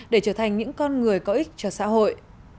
để trở thành những con người có ích cho xã hội